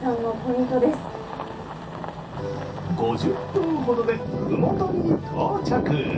５０分ほどで、麓に到着。